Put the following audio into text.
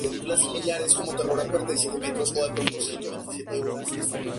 La explicación era que un final feliz promovería el lesbianismo.